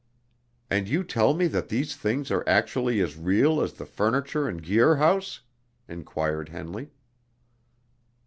"And you tell me that these things are actually as real as the furniture in Guir House?" inquired Henley.